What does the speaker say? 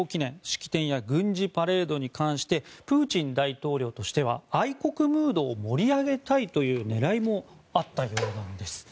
式典や軍事パレードに関してプーチン大統領としては愛国ムードを盛り上げたいという狙いもあったようなんです。